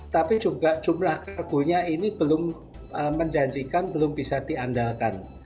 tapi juga jumlah kargonya ini belum menjanjikan belum bisa diandalkan